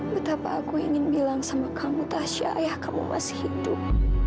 betapa aku ingin bilang sama kamu tasya ayah kamu masih hidup